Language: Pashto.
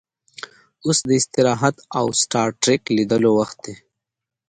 اوس د استراحت او سټار ټریک لیدلو وخت و